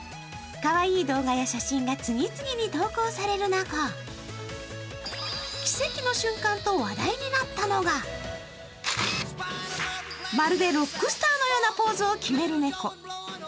かわいい動画や写真が次々に投稿される中、奇跡の瞬間と話題になったのが、まるでロックスターのようなポーズを決める猫。